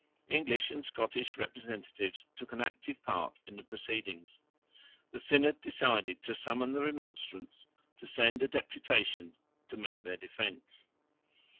English and Scottish representatives took an active part in the proceedings. The Synod decided to summon the Remonstrants to send a deputation to make their defence.